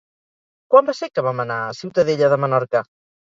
Quan va ser que vam anar a Ciutadella de Menorca?